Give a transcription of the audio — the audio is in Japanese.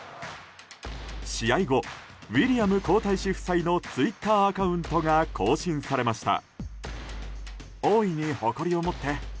試合後、ウィリアム皇太子夫妻のツイッターアカウントが更新されました。